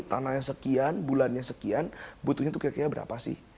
tanahnya sekian bulannya sekian butuhnya itu kira kira berapa sih